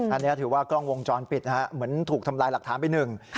อันนี้ถือว่ากล้องวงจรปิดนะฮะเหมือนถูกทำลายหลักฐานไปหนึ่ง